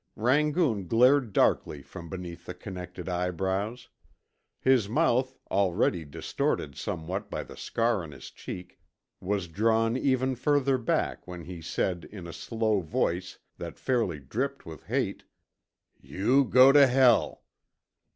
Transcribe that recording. Rangoon glared darkly from beneath the connected eyebrows. His mouth, already distorted somewhat by the scar on his cheek, was drawn even further back when he said in a slow voice that fairly dripped with hate, "You go tuh hell."